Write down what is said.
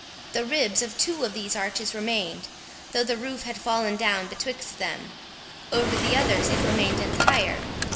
The ribs of two of these arches remained, though the roof had fallen down betwixt them; over the others it remained entire.